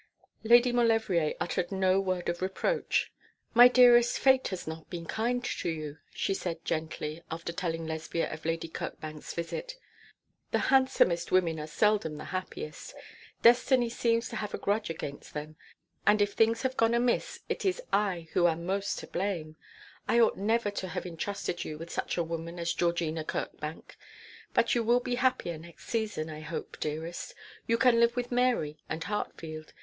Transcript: Lady Maulevrier uttered no word of reproach. 'My dearest, Fate has not been kind to you,' she said, gently, after telling Lesbia of Lady Kirkbank's visit. 'The handsomest women are seldom the happiest. Destiny seems to have a grudge against them. And if things have gone amiss it is I who am most to blame. I ought never to have entrusted you with such a woman as Georgina Kirkbank. But you will be happier next season, I hope, dearest. You can live with Mary and Hartfield.